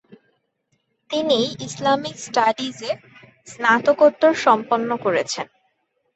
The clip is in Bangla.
তিনি ইসলামিক স্টাডিজে স্নাতকোত্তর সম্পন্ন করেছেন।